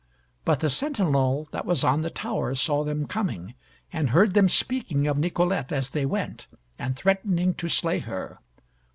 But the sentinel that was on the tower saw them coming, and heard them speaking of Nicolette as they went, and threatening to slay her.